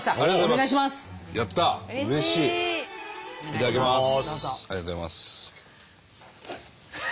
いただきます。